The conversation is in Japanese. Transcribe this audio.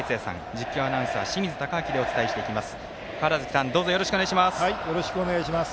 実況アナウンサー清水敬亮でお伝えしていきます。